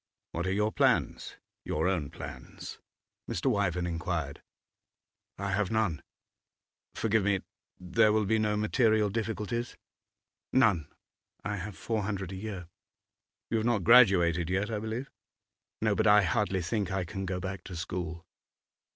'What are your plans your own plans?' Mr. Wyvern inquired. 'I have none.' 'Forgive me; there will be no material difficulties?' 'None; I have four hundred a year.' 'You have not graduated yet, I believe?' 'No. But I hardly think I can go back to school.